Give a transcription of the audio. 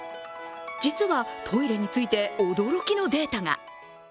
実は、トイレについて驚きのデータが。